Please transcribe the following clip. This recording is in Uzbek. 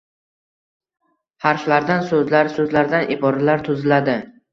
Harflardan so’zlar, so’zlardan iboralar tiziladi